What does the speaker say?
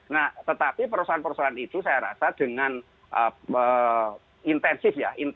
nah tetapi persoalan persoalan itu saya rasa dengan intensif ya